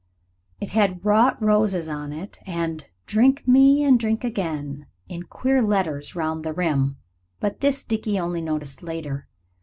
It had wrought roses on it and "Drink me and drink again" in queer letters round the rim; but this Dickie only noticed later.